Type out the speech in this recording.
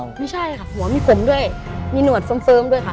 ไม่ใช่ค่ะหัวมีผมด้วยมีหนวดเฟิร์มด้วยค่ะ